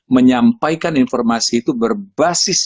menyampaikan informasi itu berbasis